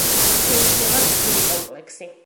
შეიმჩნევა რთული კომპლექსი.